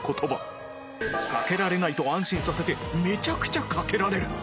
かけられないと安心させてめちゃくちゃかけられる